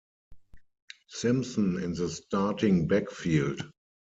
Simpson in the starting backfield.